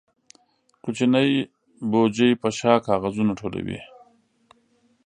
کوچنی بوجۍ په شا کاغذونه ټولوي.